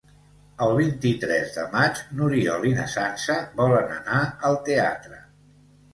El vint-i-tres de maig n'Oriol i na Sança volen anar al teatre.